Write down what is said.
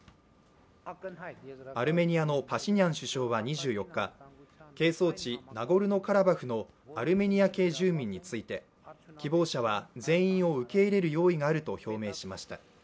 アルメニアのパシニャン首相は２４日、係争地、ナゴルノ・カラバフのアルメニア系住民について、希望者は全員を受け入れる用意があると表明しました。